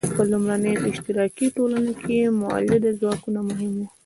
په لومړنیو اشتراکي ټولنو کې مؤلده ځواکونه مهم وو.